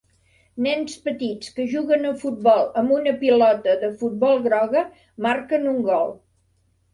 Nens petits que juguen a futbol amb una pilota de futbol groga marquen un gol.